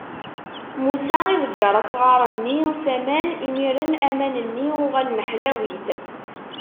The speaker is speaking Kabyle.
Musa iḍegger asɣar-nni s aman, imiren aman-nni uɣalen ḥlawit.